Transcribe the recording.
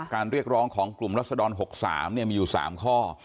เรียกร้องของกลุ่มรัศดร๖๓มีอยู่๓ข้อ